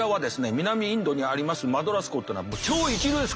南インドにありますマドラス校っていうのは超一流です